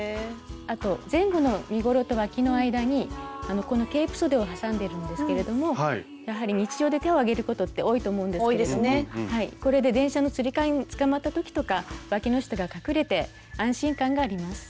あと前後の身ごろとわきの間にこのケープそでを挟んでるんですけれどもやはり日常で手を上げることって多いと思うんですけれどもこれで電車のつり革につかまった時とかわきの下が隠れて安心感があります。